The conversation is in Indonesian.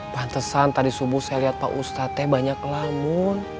pantesan tadi subuh saya lihat pak ustaznya banyak ngelamun